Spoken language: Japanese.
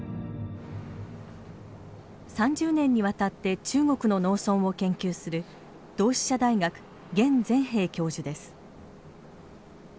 ３０年にわたって中国の農村を研究する同志社大学厳善平教授です。